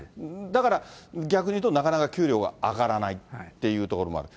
だから逆に言うと、なかなか給料が上がらないっていうところもある。